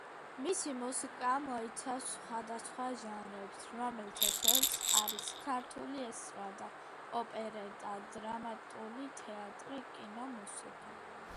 მისი მუსიკა მოიცავს სხვადასხვა ჟანრებს, რომელთა შორის არის: ქართული ესტრადა, ოპერეტა, დრამატული თეატრი, კინომუსიკა.